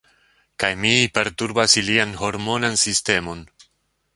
Kaj mi perturbas ilian hormonan sistemon.